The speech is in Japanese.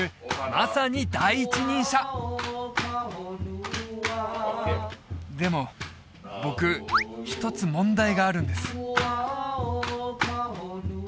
まさに第一人者でも僕一つ問題があるんです